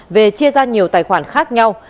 về chia ra nhiều tài khoản khác nhau